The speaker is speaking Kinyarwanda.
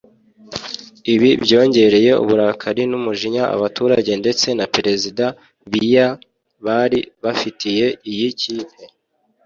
Ibi byongereye uburakari n’umujinya abaturage ndetse na perezida Biya bari bafitiye iyi kipe